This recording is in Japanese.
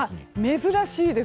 珍しいです。